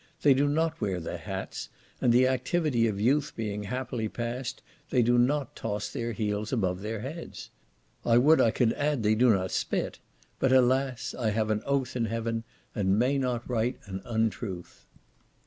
They do not wear their hats, and the activity of youth being happily past, they do not toss their heels above their heads. I would I could add they do not spit; but, alas! "I have an oath in heaven," and may not write an untruth.